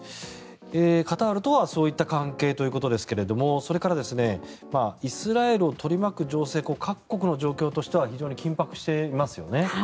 カタールとはそういった関係ということですがイスラエルを取り巻く情勢各国の状況としては非常に緊迫していますよね。